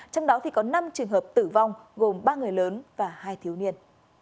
trong đó có năm trường hợp tử vong gồm ba người lớn và hai thiếu niên